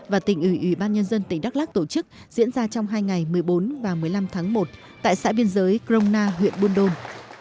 và tỉnh ủy ủy ban nhân dân tỉnh đắk lắc tổ chức diễn ra trong hai ngày một mươi bốn và một mươi năm tháng một tại xã biên giới crona huyện buôn đôn